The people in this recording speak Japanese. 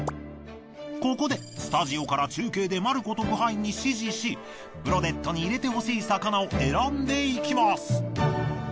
ここでスタジオから中継でマルコ特派員に指示しブロデットに入れてほしい魚を選んでいきます。